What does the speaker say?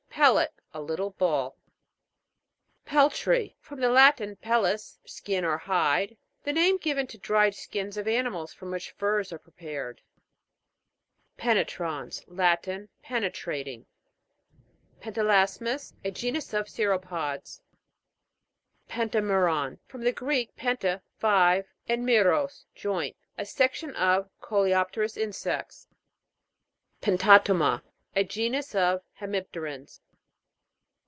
PEL' LET. A little ball. PEL'TRY. From the Latin, pellis, skin or hide. The name given to dried skins of animals from which furs are prepared. PE'NETRANS. Latin. Penetrating. PENTALAS'MIS. A genus of Cirrho pods. PENTAME'RAN. From the Greek, pente, five, and meros, joint. A section of coleopterous insects. PENTATO'MA. A genus of hemip' terans.